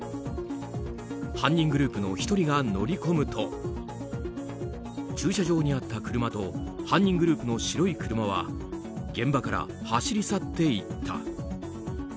犯人グループの１人が乗り込むと駐車場にあった車と犯人グループの白い車は現場から走り去っていった。